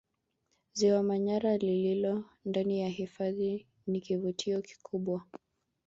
Ziwa Manyara lililo ndani ya hifadhi ni kivutio kikubwa